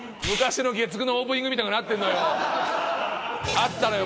あったのよ